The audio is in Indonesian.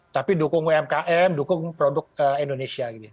tapi dukung umkm dukung produk indonesia